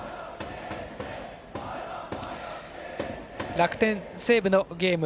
楽天、西武のゲーム